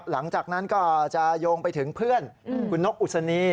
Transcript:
หลังจากนั้นก็จะโยงไปถึงเพื่อนคุณนกอุศนี